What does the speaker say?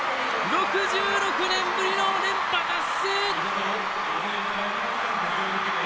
６６年ぶりの連覇達成！